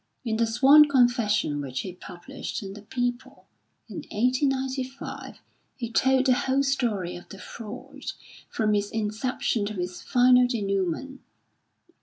In the sworn confession which he published in the People, in 1895, he told the whole story of the fraud from its inception to its final denouement.